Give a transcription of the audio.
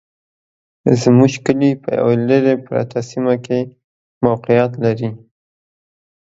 زموږ کلي په يوه لري پرته سيمه کي موقعيت لري